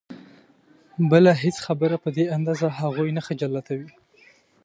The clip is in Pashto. بله هېڅ خبره په دې اندازه هغوی نه خجالتوي.